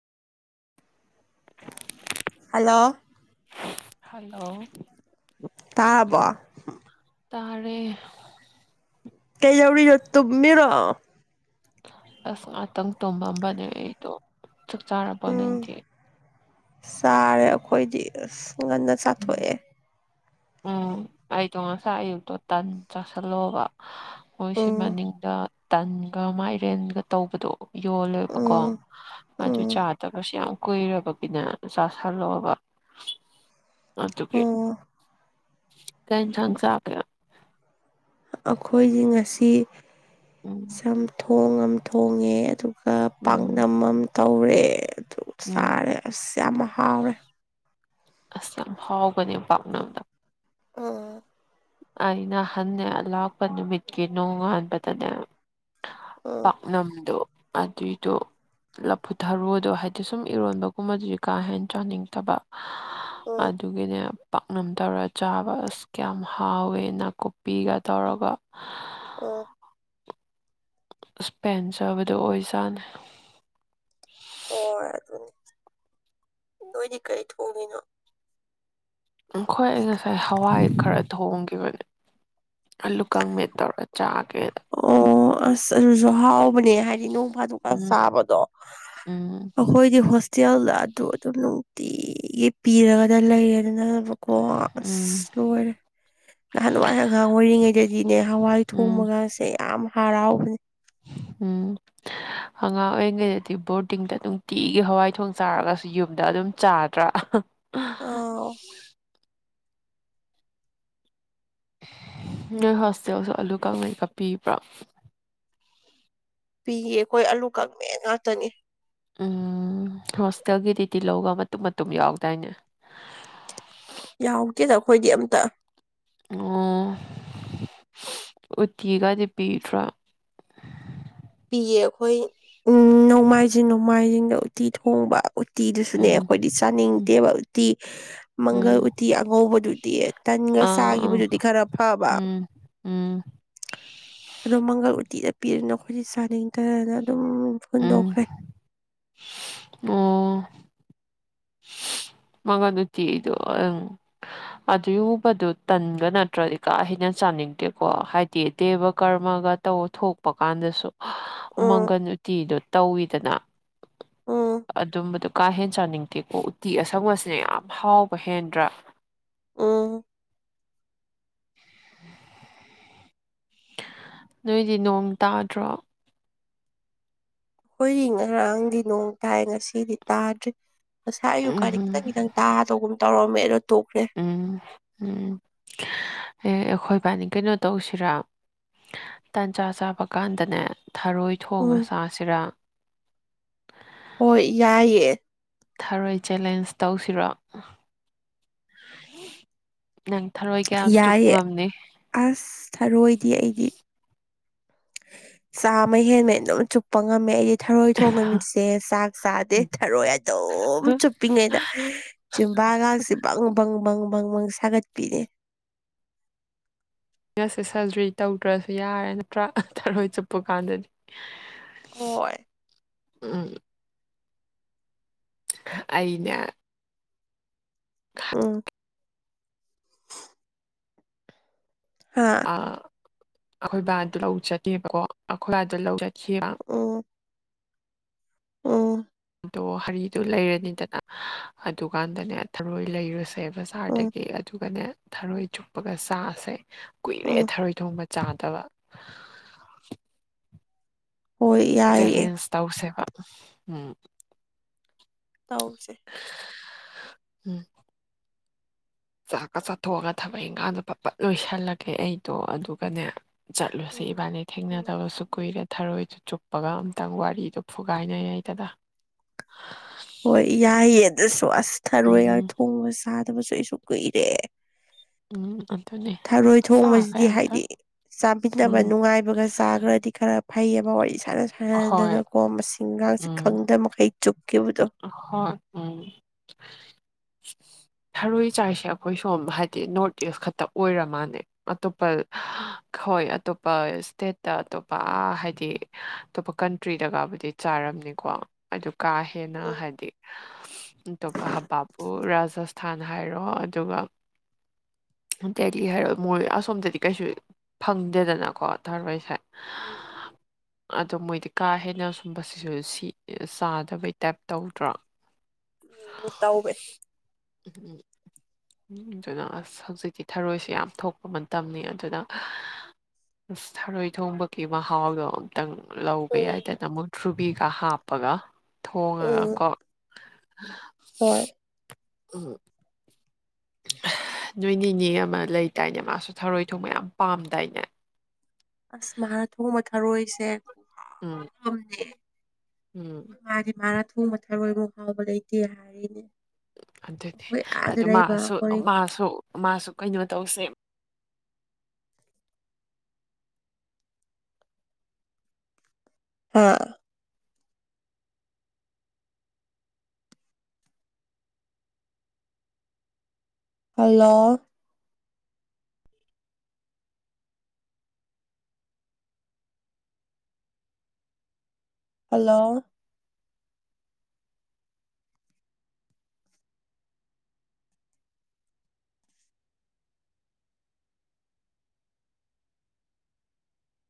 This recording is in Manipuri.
ꯍꯜꯂꯣ ꯍꯜꯂꯣ ꯇꯥꯔꯕꯣ ꯇꯥꯔꯦ ꯀꯩ ꯌꯥꯧ ꯅ ꯇꯨ ꯃꯦꯔꯣ ꯑꯁ ꯉꯥꯛꯇꯪ ꯇꯣꯝꯕꯝꯕꯅꯦ ꯑꯩꯗꯣ ꯆꯥꯛ ꯆꯥꯄꯣ ꯎꯝ ꯗꯤꯤ ꯆꯥꯔꯦ ꯑꯩꯈꯣꯏꯗꯤ ꯑꯁ ꯉꯟꯅ ꯎꯝ ꯆꯥꯊꯣꯛꯑꯦ ꯎꯝ ꯑꯩꯗꯣ ꯉꯁꯥꯏ ꯑꯌꯨꯛꯇꯣ ꯇꯟ ꯆꯥꯁꯤꯜꯂꯣꯕ ꯃꯣꯏꯁꯤ ꯎꯝ ꯃꯅꯤꯡꯗ ꯇꯟꯒ ꯃꯥꯏꯔꯦꯟꯒ ꯇꯧꯕꯗꯣ ꯌꯣꯜꯂꯦꯕꯀꯣ ꯎꯝ ꯑꯗꯨ ꯎꯝ ꯆꯥꯗꯕꯁꯨ ꯌꯥꯝ ꯀꯨꯏꯔꯕꯒꯤꯗ ꯆꯥ ꯁꯥꯂꯛꯕ ꯑꯗꯨ ꯀ ꯑꯣ ꯊꯪ ꯆ ꯑꯩꯈꯣꯏꯗꯤ ꯉꯁꯤ ꯎꯝ ꯁꯝ ꯊꯣꯡꯝ ꯊꯣꯡꯉꯦ ꯑꯗꯨ ꯎꯝ ꯄꯥꯛꯅꯝꯝ ꯇꯧꯔꯦ ꯑꯗꯨ ꯎꯝ ꯆꯥꯔꯦ ꯑꯁ ꯌꯥꯝ ꯍꯥꯎꯔꯦ ꯑꯁ ꯌꯥꯝꯚꯥꯎꯒꯅꯦ ꯄꯝꯅꯗ ꯑꯣ ꯑꯩꯅ ꯍꯟꯅꯦ ꯂꯥꯛꯄ ꯅꯨꯃꯤꯠꯀꯤ ꯅꯣꯡꯉꯥꯟꯕꯗꯅꯦ ꯎꯝ ꯄꯥꯛꯅꯝꯗꯣ ꯑꯗꯨꯏꯗꯣ ꯂꯐꯨꯊꯔꯨꯗꯣ ꯍꯥꯏꯗꯤ ꯁꯨꯝ ꯏꯔꯣꯟꯕꯒꯨꯝꯕꯗꯨꯗꯤ ꯀꯥ ꯍꯦꯟꯅ ꯆꯥꯅꯤꯡꯗꯕ ꯎꯝ ꯑꯗꯨꯒꯤꯅꯦ ꯄꯥꯛꯅꯝ ꯇꯧꯔ ꯆꯥꯕ ꯑꯁ ꯀꯌꯥꯃꯛ ꯍꯥꯎꯋꯦꯅ ꯀꯨꯞꯄꯤꯒ ꯇꯧꯔꯒ ꯑꯣ ꯏꯁꯄꯦꯟ ꯆꯥꯕꯗꯣ ꯑꯣꯏꯖꯥꯅꯩ ꯍꯣꯏ ꯑꯗꯨꯅꯤ ꯅꯣꯏꯗꯤ ꯀꯔꯤ ꯊꯣꯛꯣꯡꯉꯤꯅꯣ ꯈꯣꯏ ꯑꯩ ꯉꯁꯥꯏ ꯍꯋꯥꯏ ꯈꯔ ꯊꯣꯡꯈꯤꯕꯅꯦ ꯑꯜꯂꯨ ꯀꯪꯃꯦ ꯇꯧꯔ ꯆꯥꯒꯦ ꯑꯣ ꯑꯁ ꯑꯗꯨꯁꯨ ꯍꯥꯎꯕꯅꯦ ꯍꯥꯏꯗꯤ ꯅ ꯆ ꯎꯝ ꯎꯝ ꯆꯕꯗꯣꯈꯣꯏꯗꯤ ꯍ ꯦꯜꯗ ꯑꯗꯨ ꯑꯗꯨꯝ ꯅꯨꯡꯇꯤꯒꯤ ꯄꯤꯔꯒꯗ ꯂꯩꯔ ꯑꯗꯨꯅ ꯀꯣ ꯎꯝ ꯑꯁ ꯂꯣꯏꯔꯦ ꯅꯍꯥꯟꯋꯥꯏ ꯑꯉꯥꯡ ꯑꯣꯏꯔꯤꯉꯩꯗꯗꯤꯅꯦ ꯍꯋꯥꯏ ꯎꯝ ꯊꯣꯡꯕꯒꯁꯦ ꯌꯥꯝ ꯍꯔꯥꯎꯕꯅꯦ ꯎꯝ ꯑꯉꯥꯡ ꯑꯣꯏꯔꯤꯉꯩꯗꯗꯤ ꯕꯣꯔꯗꯤꯡꯗ ꯅꯨꯡꯇꯤꯒꯤ ꯍꯋꯥꯏ ꯊꯣꯡ ꯆꯥꯔꯒꯁꯨ ꯌꯨꯝꯗ ꯑꯗꯨꯝ ꯆꯥꯗ꯭ꯔꯥ ꯑꯥ ꯅꯣꯏ ꯍꯣꯁꯇꯦꯜꯁꯨ ꯑꯂꯨ ꯀꯩ ꯀꯥꯄꯤꯕ꯭ꯔꯥ ꯄꯤꯌꯦ ꯑꯩꯈꯣꯏ ꯑꯂꯨ ꯀꯛꯃꯦ ꯉꯥꯛꯇꯅꯤ ꯎꯝ ꯍꯣꯁꯇꯦꯜꯒꯤꯗꯨꯗꯤꯗꯤꯤ ꯂꯧꯒ ꯃꯇꯨꯡꯨꯝ ꯃꯇꯨꯝ ꯌꯥꯎꯗꯥꯏꯅꯦ ꯌꯥꯎꯗꯦꯗ ꯑꯩꯈꯣꯏꯗꯤ ꯑꯝꯇ ꯑꯣ ꯎꯠꯇꯤꯒꯗꯤ ꯄꯤꯗ꯭ꯔꯥ ꯄꯤꯌꯦ ꯑꯩꯈꯣꯏ ꯅꯣꯡꯃꯥꯏꯖꯤꯡ ꯅꯣꯡꯃꯥꯏꯖꯤꯡꯗ ꯎꯇꯤ ꯊꯣꯡꯕ ꯎꯇꯤꯗꯨꯁꯨꯅꯦ ꯎꯝ ꯑꯩꯈꯣꯏꯗꯤ ꯆꯥꯅꯤꯡ ꯎꯝ ꯇꯦꯕ ꯎꯇꯤ ꯃꯪꯒꯜ ꯎꯝ ꯎꯇꯤ ꯑꯉꯧꯕꯗꯨꯗꯤ ꯇ ꯑꯥ ꯑꯥ ꯁꯥꯈꯤꯕꯗꯨꯗꯤ ꯈꯔ ꯐꯕ ꯎꯝ ꯎꯝ ꯑꯗꯣ ꯃꯪꯒꯜ ꯎꯇꯤꯗ ꯄꯤꯔꯤꯅ ꯑꯩꯈꯣꯏꯖꯤ ꯆꯥꯅꯤꯡꯇꯅ ꯑꯗꯨꯝ ꯎꯝ ꯍꯨꯟꯗꯣꯛꯈ꯭ꯔꯦ ꯃꯒꯟ ꯎꯇꯤꯗꯣ ꯎꯪ ꯑꯗꯨꯨꯕꯗꯨ ꯇꯟꯒ ꯅꯠꯇ꯭ꯔꯗꯤ ꯀꯥ ꯍꯦꯟꯅ ꯆꯥꯅꯤꯡꯗꯦꯀꯣ ꯍꯥꯏꯗꯤ ꯗꯦꯕ ꯀꯔꯃꯒ ꯇꯧ ꯊꯣꯛꯄ ꯀꯥꯟꯗꯁꯨ ꯎꯝ ꯃꯪꯒꯟ ꯎꯇꯤꯗꯣ ꯇꯧꯋꯤꯗꯅ ꯎꯝ ꯑꯗꯨꯝꯕꯗꯨꯣ ꯀꯥꯍꯦꯟ ꯆꯥꯅꯤꯡꯦ ꯀꯦꯀꯣꯛ ꯎꯇꯤ ꯑꯁꯪꯕꯁꯤꯅ ꯌꯥꯝ ꯍꯥꯎꯕ ꯍꯦꯟꯗ꯭ꯔꯥ ꯑ ꯅꯣꯏꯗꯤ ꯅꯣꯡ ꯇꯥꯗ꯭ꯔꯣ ꯑꯩꯣꯏ ꯉꯔꯥꯡꯗꯤ ꯅꯣꯡ ꯇꯥꯏ ꯉꯁꯤꯗꯤ ꯇꯥꯗ꯭ꯔꯤ ꯉꯁ ꯑꯌꯨꯀꯗꯤ ꯎꯝ ꯈꯤꯪ ꯈꯤꯇꯪ ꯇꯥꯗꯧꯒꯨꯝ ꯇꯧꯔꯝꯃꯦ ꯑꯗꯣ ꯇꯣꯛꯈ꯭ꯔꯦ ꯍꯌꯦ ꯑꯩꯈꯣꯏ ꯏꯕꯥꯅꯤ ꯀꯩꯅꯣ ꯇꯧꯁꯤꯔꯥ ꯇꯟꯖꯥ ꯆꯥꯕ ꯀꯥꯟꯗꯅꯦ ꯊꯔꯣꯏ ꯊꯣꯡ ꯎꯝ ꯑꯁꯥꯁꯤꯔꯥ ꯍꯣꯏ ꯌꯥꯏꯌꯦꯦ ꯊꯔꯣꯏ ꯆꯦꯂꯦꯟꯖ ꯇꯧꯁꯤꯔꯣ ꯅꯪ ꯊꯔꯣꯏ ꯀꯌꯥꯝ ꯆꯨꯞ ꯌꯥꯏꯌꯦꯦ ꯉꯝꯅꯤ ꯑꯁ ꯊꯔꯣꯏꯗꯤ ꯑꯩꯗꯤ ꯆꯥꯃ ꯍꯦꯟꯃꯦ ꯑꯗꯨꯝ ꯆꯨꯞꯄ ꯉꯝꯃꯦ ꯑꯩꯗꯤ ꯊꯔꯣꯏ ꯊꯣꯡ ꯅꯨꯃꯤꯠꯁꯦ ꯆꯥꯛ ꯆꯥꯗꯦ ꯊꯔꯣꯏ ꯑꯗꯨ ꯑꯗꯨꯝ ꯍ, ꯆꯨꯞꯄꯤꯉꯩꯗ ꯆ ꯒꯁꯤꯦ ꯕꯪ ꯕꯪ ꯪ ꯕꯪꯪ ꯁꯥꯒꯠꯄꯤꯔꯦ ꯉꯁꯦ ꯁꯔꯖꯔꯤ ꯇꯧꯗ꯭ꯔꯁꯨ ꯌꯥꯔꯦ ꯅꯠꯇ꯭ꯔꯥ ꯇꯔꯣꯏ ꯆꯨꯞꯄ ꯀꯥꯟꯗꯗꯤ ꯍꯣꯏ ꯎꯝ ꯑꯩꯅ ꯑꯥ ꯍꯥ ꯑꯩꯈꯣꯏ ꯕꯥꯗꯨ ꯂꯧꯖꯒꯦꯕꯀꯣ ꯑꯩꯈꯣꯏꯕꯥꯗꯨ ꯂꯧꯖꯈꯤꯑꯕ ꯑ ꯑꯗꯣ ꯍꯔꯤꯗꯨꯣ ꯂꯩꯔꯅꯤꯗꯅ ꯑꯗꯨꯀꯥꯟꯗꯅꯦ ꯊꯔꯣꯏ ꯂꯩꯔꯨꯁꯦ ꯎꯝ ꯕꯖꯥꯔꯗꯒꯤ ꯑꯗꯨꯒꯅꯦ ꯊꯔꯣꯏ ꯆꯨꯞꯄꯒ ꯆꯥꯁꯦ ꯀꯨꯏꯔꯦ ꯎꯝ ꯊꯔꯣꯏ ꯊꯣꯡꯕꯗ ꯆꯥꯗꯕ ꯍꯣꯏ ꯌꯥꯏꯌꯦ ꯆꯦꯂꯦꯟꯖ ꯇꯧꯁꯦꯕ ꯎꯝ ꯇꯧꯁꯦ ꯎꯝ ꯆꯥꯛꯀ ꯆꯥꯊꯣꯛꯑꯒ ꯊꯕꯛ ꯏꯪꯈꯥꯡꯗꯣ ꯄꯞ ꯄꯠ ꯂꯣꯏꯁꯜꯂꯒꯦ ꯑꯩꯗꯣ ꯑꯗꯨꯒꯅꯦ ꯆꯠꯂꯨꯁꯦ ꯎꯝ ꯏꯕꯥꯅꯤ ꯎꯝ ꯊꯦꯡꯅꯗꯔꯁꯨ ꯀꯨꯏꯔ ꯊꯔꯣꯏꯗꯨ ꯆꯨꯞꯄꯒ ꯑꯝꯇꯪ ꯋꯥꯔꯤꯗꯣ ꯐꯨꯒꯥꯏꯅꯩꯗꯗ ꯍꯣꯏ ꯌꯥꯏꯌꯦ ꯑꯗꯨꯁꯨ ꯑꯁ ꯊꯔꯣꯏ ꯎꯝ ꯊꯣꯡꯉꯒ ꯆꯥꯗꯕꯁꯨ ꯇꯨꯀꯩꯔꯦ ꯎꯝ ꯑꯗꯨꯅꯦ ꯊꯔꯣꯏ ꯆꯥꯁꯦ ꯊꯣꯡꯕꯁꯤꯗꯤ ꯍꯥꯏꯗꯤ ꯑꯝꯇꯪ ꯆꯥꯕꯤꯅꯕ ꯎꯝ ꯅꯨꯡꯉꯥꯏꯕꯒ ꯆꯥꯈ꯭ꯔꯗꯤ ꯈꯔ ꯐꯩꯑꯕ ꯋꯥꯔꯤ ꯁꯥꯟꯅ ꯍꯣꯏ ꯁꯥꯟꯅꯗꯅꯀꯣ ꯃꯁꯤ ꯤꯡꯒꯥꯁꯤ ꯎꯝ ꯈꯪꯗꯕ ꯃꯈꯩ ꯆꯨꯞ ꯍꯣꯏ ꯎꯝ ꯊꯔꯣꯏ ꯆꯥꯛꯁꯦ ꯑꯩꯈꯣꯏ ꯁꯣꯝ ꯍꯥꯏꯗꯤ ꯅꯣꯔꯠ ꯏꯁ ꯈꯛꯇ ꯑꯣꯏꯔ ꯃꯥꯜꯂ ꯑꯇꯣꯞꯄ ꯍꯣꯏ ꯑꯇꯣꯞꯄ ꯁ꯭ꯇꯦꯠꯇ ꯑꯇꯣꯞꯄ ꯍꯥꯏꯗꯤ ꯑꯇꯣꯞꯄ ꯀꯟꯇ꯭ꯔꯤꯗꯒꯕꯨꯗꯤ ꯆꯥꯔꯝꯅꯤ ꯀꯣ ꯑꯗꯨ ꯀꯥ ꯍꯦꯟꯅ ꯎꯝ ꯍꯥꯏꯗꯤ ꯑꯇꯣꯞꯄ ꯍꯕꯥꯞ ꯑꯣ ꯔꯥꯖꯁꯊꯥꯟ ꯍꯥꯏꯔꯣ ꯑꯗꯨꯒ ꯇꯦꯛꯂꯤ ꯍꯥꯏꯔꯣꯏ ꯃꯣꯏ ꯑꯁꯣꯝꯗꯗꯤ ꯀꯩꯁꯨ ꯐꯪꯗꯦꯗꯅꯀꯣ ꯊꯥꯔꯣꯏꯁꯦ ꯎꯝ ꯑꯗꯣ ꯃꯣꯏꯗꯤ ꯀꯥ ꯍꯦꯟꯅ ꯁꯨꯝꯕꯁꯤꯁꯨ ꯁꯤ ꯆꯥꯗꯕꯩ ꯇꯥꯏꯞ ꯇꯧꯗ꯭ꯔꯣ ꯎꯝ ꯇꯎꯑꯦ [unintelligible] ꯑꯗꯨꯅ ꯑꯁ ꯍꯧꯖꯤꯛꯇꯤ ꯊꯔꯣꯏꯁꯤ ꯌꯥꯝ ꯊꯣꯛꯄ ꯃꯇꯝꯅꯤ ꯑꯗꯨꯅ ꯑꯁ ꯊꯔꯣꯏ ꯊꯣꯡꯕꯒꯤ ꯃꯍꯥꯎꯗꯣ ꯑꯝꯇꯪ ꯂꯧꯕ ꯎꯝ ꯌꯥꯏꯗꯅ ꯑꯃꯨꯛ ꯊ꯭ꯔꯨꯕꯤꯒ ꯍꯥꯞꯄꯒ ꯊꯣꯡꯉꯒ ꯎꯝ ꯀꯣ ꯍꯣꯏ ꯎ ꯅꯣꯏ ꯅꯤꯅꯦ ꯑꯃ ꯂꯩ ꯇꯥꯏꯅꯦ ꯃꯥꯁꯨ ꯊꯔꯣꯏ ꯊꯣꯡꯕ ꯌꯥꯝ ꯄꯥꯝꯗꯥꯏꯅꯦ ꯑꯁ ꯃꯍꯥꯛꯅ ꯊꯣꯡꯕ ꯊꯔꯣꯏꯁꯦ ꯎꯝ ꯝꯅꯦꯣꯏ ꯎꯝ ꯃꯥꯗꯤ ꯃꯥꯅ ꯊꯣꯡꯕ ꯊꯣꯏꯃ ꯍꯥꯎꯕ ꯂꯩ ꯏꯇ ꯍꯥꯏꯔꯅꯦ ꯑꯗꯨꯗꯤ ꯑꯗꯨ ꯃꯥꯁꯨ ꯑꯩꯈꯣꯏ ꯃꯥꯁꯨ ꯃꯥꯁꯨ ꯀꯩꯅꯣ ꯇꯧꯁꯦ ꯑꯥ ꯍꯜꯂꯣ ꯍꯜꯂꯣ